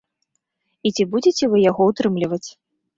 І ці будзеце вы яго ўтрымліваць?